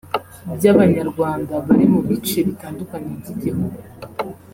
by’Abanyarwanda bari mu bice bitandukanye by’igihugu